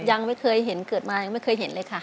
ยังไม่เคยเห็นเกิดมายังไม่เคยเห็นเลยค่ะ